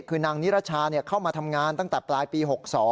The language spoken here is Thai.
คือนางนิรชาเข้ามาทำงานตั้งแต่ปลายปี๖๒